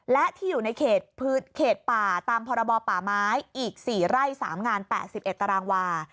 และที่อยู่ในเขตป่าตามพรบป่าไม้อีก๔ไร่๓งาน๘๑ตารางวา